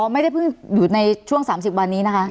ไม่ได้เพิ่งอยู่ในช่วง๓๐วันนี้นะคะ